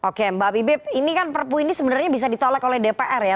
oke mbak bibip ini kan perpu ini sebenarnya bisa ditolak oleh dpr ya